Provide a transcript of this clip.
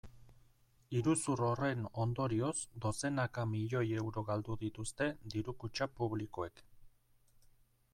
Iruzur horren ondorioz dozenaka milioi euro galdu dituzte diru-kutxa publikoek.